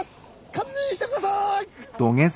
堪忍してください！